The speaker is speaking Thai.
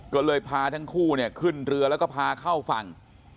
ก็เลยพาทั้งคู่เนี่ยขึ้นเรือแล้วก็พาเข้าฝั่ง